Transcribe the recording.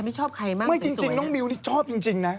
ไม่จริงน้องมิวนี่ชอบจริงจริงนะ